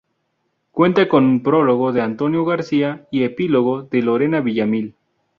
Cuenta con prólogo de Antonio García y epílogo de Lorena Villamil.